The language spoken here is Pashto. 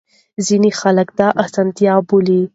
ځينې خلک دا ساتندوی بولي.